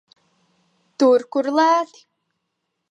Tur, kur lēti.